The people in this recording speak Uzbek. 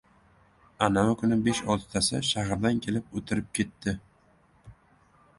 Anavi kuni besh-oltitasi shahardan kelib... o‘tirib ketdi!